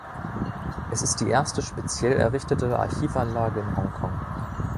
Es ist die erste speziell errichtete Archivanlage in Hongkong.